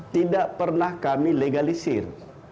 tidak pernah kami legalisir